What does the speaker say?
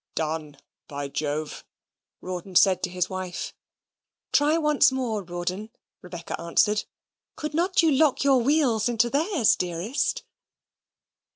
"Done, by Jove," Rawdon said to his wife. "Try once more, Rawdon," Rebecca answered. "Could not you lock your wheels into theirs, dearest?"